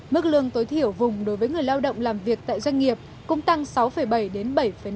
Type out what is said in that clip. mức lương tối thiểu vùng đối với người lao động làm việc tại doanh nghiệp cũng tăng sáu bảy đến bảy năm